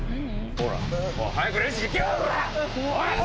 ほら！